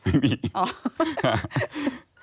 คุณมีไหมอ๋อ